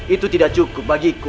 itu tidak cukup bagiku